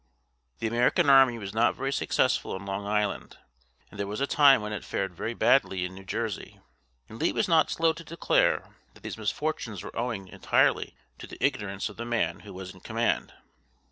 The American army was not very successful in Long Island, and there was a time when it fared very badly in New Jersey; and Lee was not slow to declare that these misfortunes were owing entirely to the ignorance of the man who was in command.